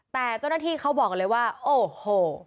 แต่เจ้าหน้าที่เขาบอกเลยว่าโอ้โห